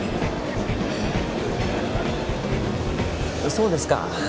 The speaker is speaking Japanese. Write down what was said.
そうですか。